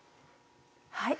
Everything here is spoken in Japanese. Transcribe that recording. はい。